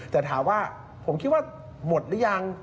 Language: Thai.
แต่ถามว่าผมคิดว่าหมดหรือยัง